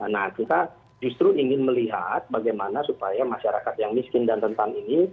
nah kita justru ingin melihat bagaimana supaya masyarakat yang miskin dan rentan ini